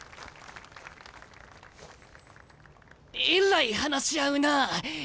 えらい話し合うなあ。